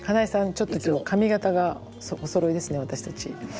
ちょっと今日髪形がおそろいですね私たち。